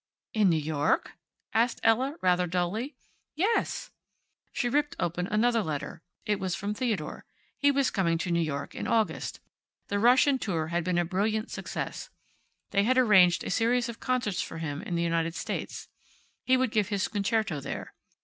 "In New York?" asked Ella, rather dully. "Yes." She ripped open another letter. It was from Theodore. He was coming to New York in August. The Russian tour had been a brilliant success. They had arranged a series of concerts for him in the United States. He could give his concerto there.